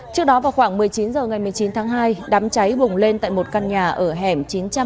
trước đó vào khoảng một mươi chín giờ ngày một mươi chín tháng hai đám cháy bùng lên tại một căn nhà ở hẻm chín trăm bốn mươi tám